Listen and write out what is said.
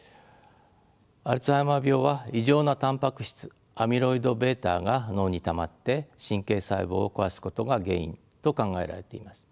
アルツハイマー病は異常なたんぱく質アミロイドβが脳にたまって神経細胞を壊すことが原因と考えられています。